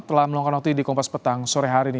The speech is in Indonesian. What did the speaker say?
telah melakukan waktu di kompas petang sore hari ini